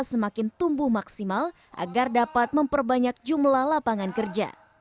semakin tumbuh maksimal agar dapat memperbanyak jumlah lapangan kerja